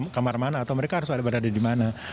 mereka harus berada di mana atau mereka harus berada di mana